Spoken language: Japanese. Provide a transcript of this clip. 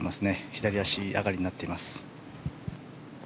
左足上がりになっています。